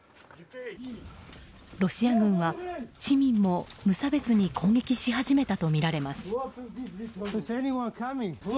ロシア軍は市民も無差別に攻撃し始めたとみられます。